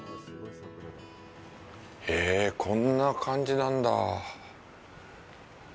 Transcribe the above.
へぇぇ、こんな感じなんだ。